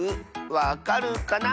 わかるかな？